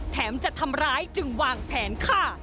จะทำร้ายจึงวางแผนฆ่า